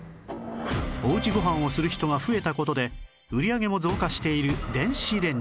おうちご飯をする人が増えた事で売り上げも増加している電子レンジ